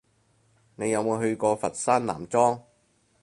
你有冇去過佛山南莊？